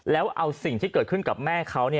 แล้วเอาสิ่งที่เกิดขึ้นกับแม่เขา